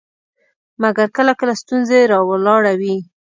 مګر کله کله ستونزې راولاړوي.